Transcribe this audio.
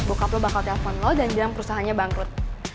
bokap lo bakal telfon lo dan bilang perusahaannya bangkrut